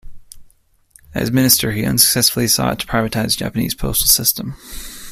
As minister, he unsuccessfully sought to privatize the Japanese postal system.